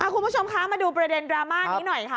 คุณผู้ชมคะมาดูประเด็นดราม่านี้หน่อยค่ะ